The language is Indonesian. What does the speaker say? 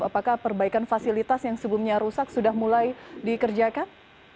apakah perbaikan fasilitas yang sebelumnya rusak sudah mulai dikerjakan